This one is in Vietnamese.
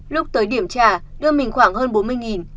lúc tới điểm trả đưa mình khoảng hơn bốn mươi